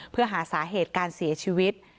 เพื่อหาสาเหตุการเสียชีวิต